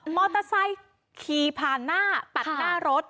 มอเตอร์ไซค์ขี่ผ่านหน้าปัดหน้ารถ